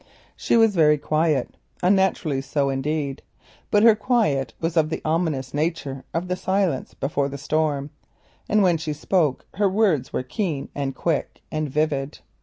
She was very quiet also, unnaturally so, indeed; but her quiet was of the ominous nature of the silence before the storm, and when she spoke her words were keen, and quick, and vivid.